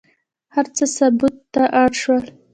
هر څه ثبت ته اړ شول.